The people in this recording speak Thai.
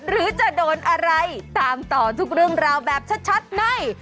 หรือจะโดนอะไรตามต่อทุกเรื่องราวแบบชัดใน